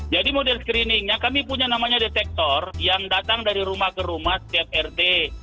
jadi model screeningnya kami punya namanya detektor yang datang dari rumah ke rumah setiap hari